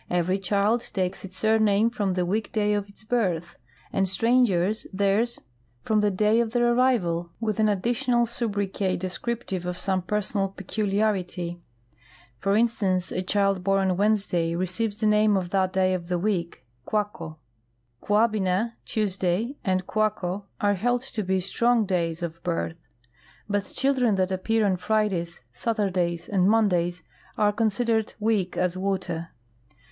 Every child takes its surname from the week day of its birth, and stranger& theirs from the day of their arrival, with an additional sobriquet descriptive of some ])er8onal peculiarit3^ For instance, a child born on Wednesday receives the name of that day of the week^ Kwako. Kwabina (Tuesday) and Kwako are held to be " strong days " of birth ; but children that appear on Fridays, Saturdays, and Monday's are considered " weak as water."